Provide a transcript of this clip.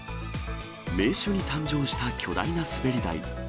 名所に誕生した巨大な滑り台。